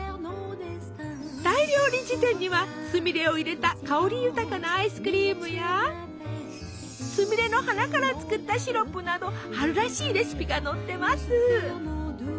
「大料理事典」にはすみれを入れた香り豊かなアイスクリームやすみれの花から作ったシロップなど春らしいレシピが載ってます！